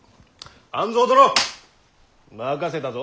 半蔵殿任せたぞ。